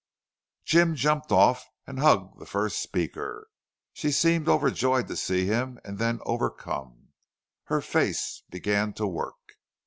Jim jumped off and hugged the first speaker. She seemed overjoyed to see him and then overcome. Her face began to work.